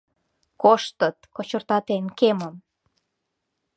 Коштыт, кочыртатен кемым!